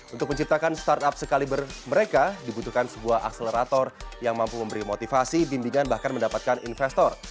untuk menciptakan startup sekaliber mereka dibutuhkan sebuah akselerator yang mampu memberi motivasi bimbingan bahkan mendapatkan investor